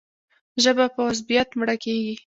ژبه په عصبیت مړه کېږي.